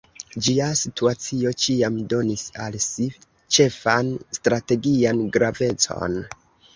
Ĝia situacio ĉiam donis al si ĉefan strategian gravecon.